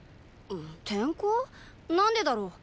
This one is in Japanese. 何でだろ。